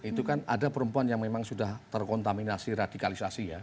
itu kan ada perempuan yang memang sudah terkontaminasi radikalisasi ya